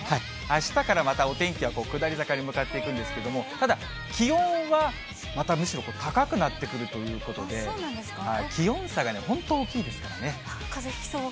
あしたから、またお天気は下り坂に向かっていくんですけれども、ただ、気温はまたむしろ、高くなってくるということで、気温差が本当、大きいかぜひきそう。